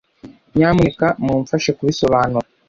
nyamuneka mumfashe kubisobanura